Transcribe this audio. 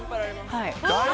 はい。